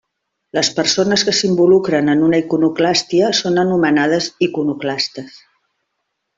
Les persones que s'involucren en una iconoclàstia són anomenades iconoclastes.